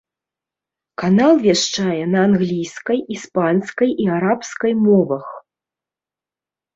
Канал вяшчае на англійскай, іспанскай і арабскай мовах.